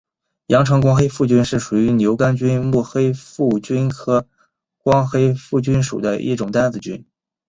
阳城光黑腹菌是属于牛肝菌目黑腹菌科光黑腹菌属的一种担子菌。